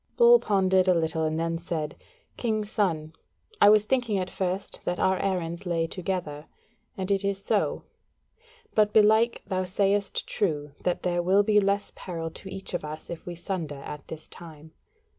Bull pondered a little and then said: "King's son, I was thinking at first that our errands lay together, and it is so; but belike thou sayest true that there will be less peril to each of us if we sunder at this time.